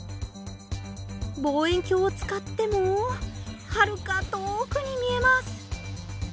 望遠鏡を使ってもはるか遠くに見えます。